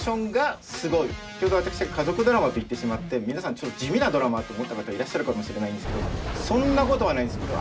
先ほど私が家族ドラマと言ってしまって皆さんちょっと地味なドラマと思った方いらっしゃるかもしれないんですけどそんなことはないんです！